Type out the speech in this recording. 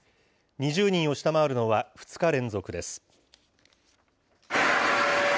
２０人を下回るのは、２日連続です。